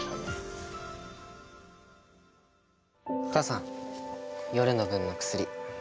お母さん、夜の分の薬。